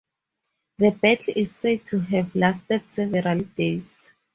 The battle is said to have lasted several days.